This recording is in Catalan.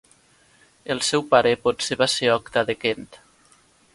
El seu pare potser va ser Octa de Kent.